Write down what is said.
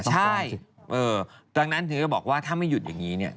ใช่ดังนั้นถึงก็บอกว่าถ้าไม่หยุดอย่างนี้เนี่ย